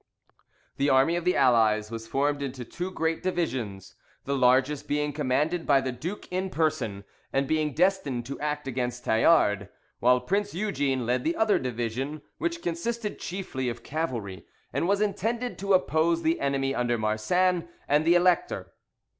The army of the Allies was formed into two great divisions: the largest being commanded by the Duke in person, and being destined to act against Tallard, while Prince Eugene led the other division, which consisted chiefly of cavalry, and was intended to oppose the enemy under Marsin and the Elector.